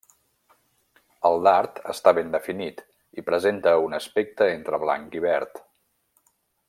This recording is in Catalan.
El dard està ben definit i presenta un aspecte entre blanc i verd.